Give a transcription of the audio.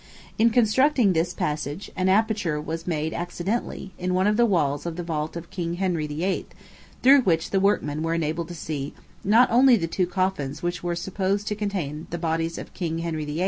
In constructing this passage, an aperture was made accidentally, in one of the walls of the vault of King Henry VIII., through which the workmen were enabled to see, not only the two coffins which were supposed to contain the bodies of King Henry VIII.